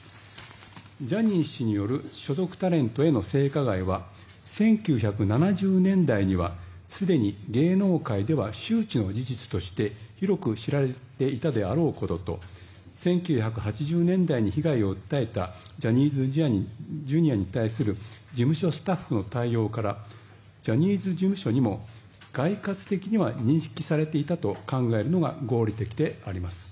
ジャニー氏による所属タレントへの性加害は１９７０年代にはすでに芸能界では周知の事実として広く知られていたであろうことと１９８０年代に被害を訴えたジャニーズＪｒ．に対する事務所スタッフの対応からジャニーズ事務所にも概括的には認識されていたと考えるのが合理的であります。